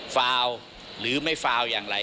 ฟาวหรือไม่ฟาวอย่างไร